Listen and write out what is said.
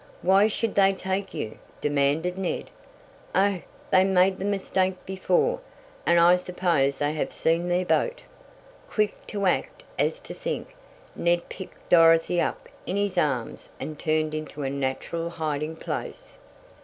"Why should they take you?" demanded Ned. "Oh, they made the mistake before, and I suppose they have seen their boat." Quick to act as to think, Ned picked Dorothy up in his arms and turned into a natural hiding place.